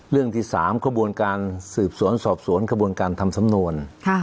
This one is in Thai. เรื่องที่๓ขบวนการสืบสวนสอบสวนขบวนการทำสำนวน